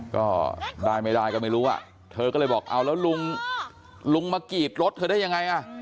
ก็ได้ไม่ได้ก็ไม่รู้อ่ะเธอก็เลยบอกเอาแล้วลุงลุงมากรีดรถเธอได้ยังไงอ่ะ